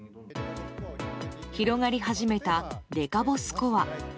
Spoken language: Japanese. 広がり始めたデカボスコア。